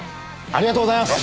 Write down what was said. ありがとうございます！